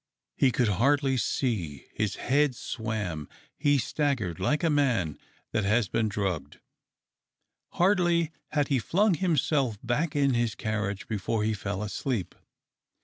He could hardly see, his head swam, he staggered like a man that has been druo o ed. Hardly had he flung himself back in his carriage before he fell asleep.